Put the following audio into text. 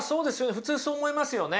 普通そう思いますよね。